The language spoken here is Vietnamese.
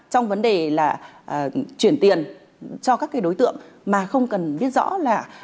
trong vấn đề là chuyển tiền cho các cái đối tượng mà không cần biết rõ là